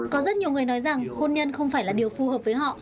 có rất nhiều người nói rằng hôn nhân không phải là điều phù hợp với họ